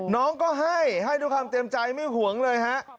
น้องก็ให้ให้ด้วยความเต็มใจไม่ห่วงเลยฮะ